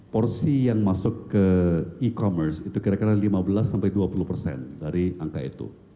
porsi yang masuk ke e commerce itu kira kira lima belas sampai dua puluh persen dari angka itu